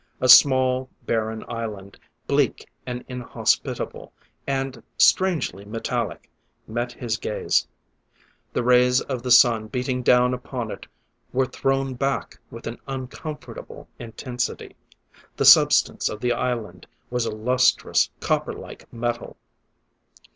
A small, barren island, bleak and inhospitable, and strangely metallic, met his gaze. The rays of the sun beating down upon it were thrown back with an uncomfortable intensity; the substance of the island was a lustrous, copperlike metal.